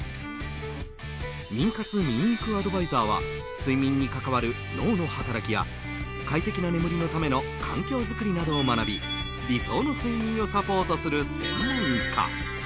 眠活眠育アドバイザーは睡眠に関わる脳の働きや快適な眠りのための環境作りなどを学び理想の睡眠をサポートする専門家。